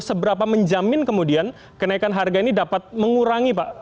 seberapa menjamin kemudian kenaikan harga ini dapat mengurangi pak